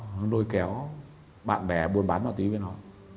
nó nuôi kéo bạn bè buôn bán vào tí với nó